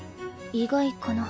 意外かな？